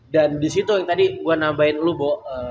dan disitu yang tadi gue nambahin lu bo